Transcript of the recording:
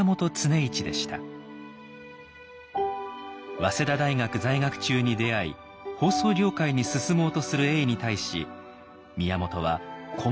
早稲田大学在学中に出会い放送業界に進もうとする永に対し宮本はこんな言葉を投げかけたのです。